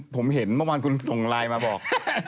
ผมเห็นเมื่อวานกูส่งลายมาบอก